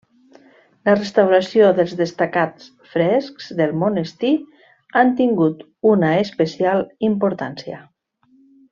La restauració dels destacats frescs del monestir ha tingut una especial importància.